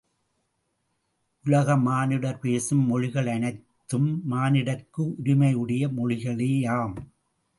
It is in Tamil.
உலக மானிடர் பேசும் மொழிகள் அனைத்தும் மானிடர்க்கு உரிமையுடைய மொழிகளேயாம்.